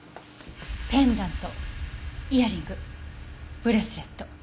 ペンダントイヤリングブレスレット。